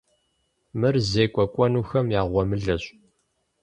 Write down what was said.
Мыр зекӏуэ кӏуэнухэм я гъуэмылэщ.